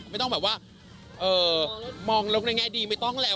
ไม่ต้องแบบว่าเอ่อมองลงได้ง่ายดีไม่ต้องแล้ว